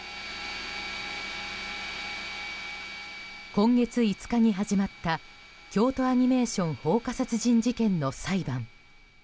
今月５日に始まった京都アニメーション放火殺人事件の裁判。